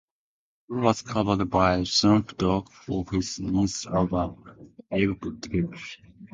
"Cool" was covered by Snoop Dogg for his ninth album, "Ego Trippin'".